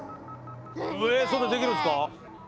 えそんなできるんですか？